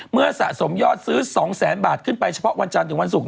สะสมยอดซื้อ๒แสนบาทขึ้นไปเฉพาะวันจันทร์ถึงวันศุกร์